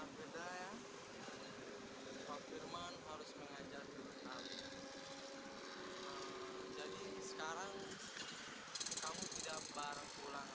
silahkan maaf saya lagi buang air dulu ya